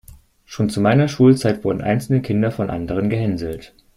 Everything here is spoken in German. Schon zu meiner Schulzeit wurden einzelne Kinder von anderen gehänselt.